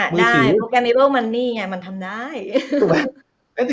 อ่ะได้เพราะการในโลกมันนี่ไงมันทำได้